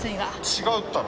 違うったら。